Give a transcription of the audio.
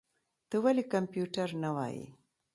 ته ولي کمپيوټر نه وايې؟